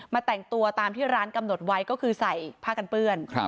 แต่งตัวตามที่ร้านกำหนดไว้ก็คือใส่ผ้ากันเปื้อน